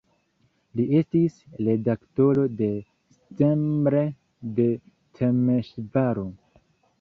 Li estis redaktoro de "Szemle" de Temeŝvaro.